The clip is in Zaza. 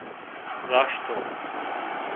Raşt o